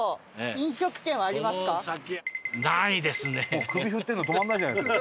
もう首振ってるの止まらないじゃないですか。